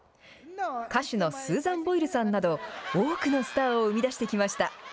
歌手のスーザン・ボイルさんなど、多くのスターを生み出してきました。